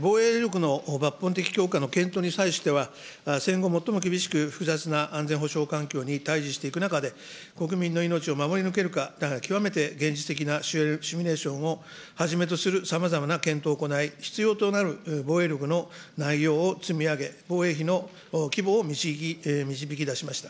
防衛力の抜本的強化の検討に際しては、戦後最も厳しく複雑な安全保障環境に対じしていく中で、国民の命を守り抜けるか、極めて現実的なシミュレーションをはじめとするさまざまな検討を行い、必要となる防衛力の内容を積み上げ、防衛費の規模を導き出しました。